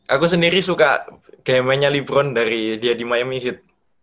aku sendiri suka game nya lebron dari dia di miami heat